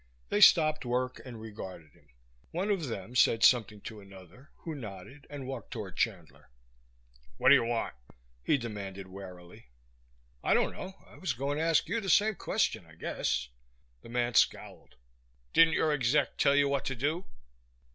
They stopped work and regarded him. One of them said something to another, who nodded and walked toward Chandler. "What do you want?" he demanded warily. "I don't know. I was going to ask you the same question, I guess." The man scowled. "Didn't your exec tell you what to do?"